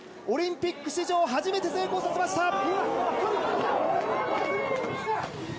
オリンピック史上初めて成功させました！